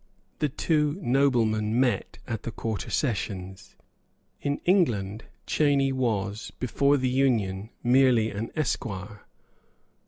The two noblemen met at the quarter sessions. In England Cheyney was before the Union merely an Esquire.